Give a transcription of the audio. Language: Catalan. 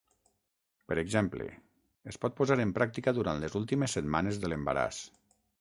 Per exemple, es pot posar en pràctica durant les últimes setmanes de l'embaràs.